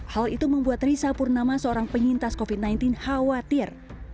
hal itu membuat risa purnama seorang penyintas covid sembilan belas khawatir